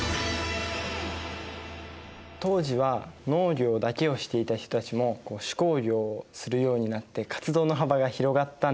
当時は農業だけをしていた人たちも手工業をするようになって活動の幅が広がったんですね。